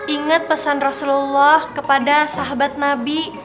ingat pesan rasulullah kepada sahabat nabi